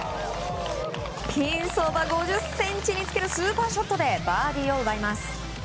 ピンそば５０ｃｍにつけるスーパーショットでバーディーを奪います。